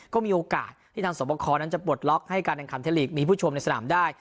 ก็มีโอกาสที่ทางสวบคอนั้นจะปลดล็อกให้การแข่งขันไทยลีกมีผู้ชมในสนามได้